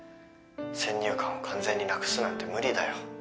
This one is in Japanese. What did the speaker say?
先入観を完全になくすなんて無理だよ。